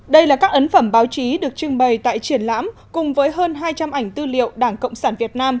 đây là các ấn phẩm báo chí được trưng bày tại triển lãm cùng với hơn hai trăm linh ảnh tư liệu đảng cộng sản việt nam